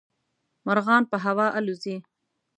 مرغان په هوا الوزي.